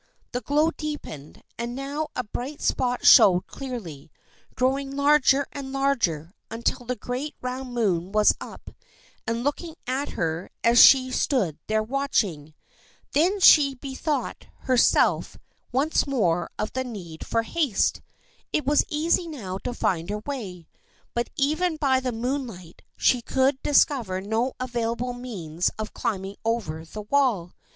The glow deepened, and now a bright spot showed clearly, growing larger and larger until the great round moon was up and looking at her as she stood there watching. Then she bethought herself once more of the need for haste. It was easy now to find her way, but even by the moonlight she could discover no available means of climbing over the wall.